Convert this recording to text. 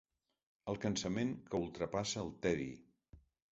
El cansament que ultrapassa el tedi.